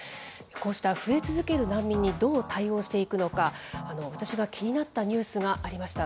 こうした増え続ける難民にどう対応していくのか、私が気になったニュースがありました。